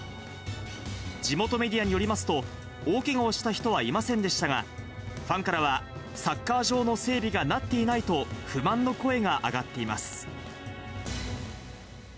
地元メディアによりますと、大けがをした人はいませんでしたが、ファンからは、サッカー場の整備がなっていないと、不満の声が上がっています。